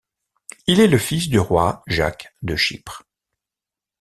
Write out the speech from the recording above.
Il est le fils du roi Jacques de Chypre.